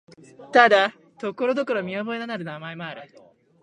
ただ、ところどころ見覚えのある名前もある。